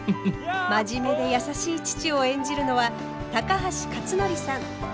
真面目で優しい父を演じるのは高橋克典さん。